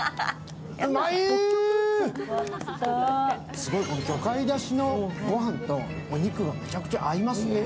すごい、魚介だしのご飯とお肉がめちゃくちゃ合いますね。